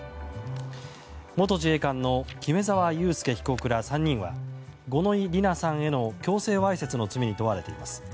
元自衛官の木目沢佑輔被告ら３人は五ノ井里奈さんへの強制わいせつの罪に問われています。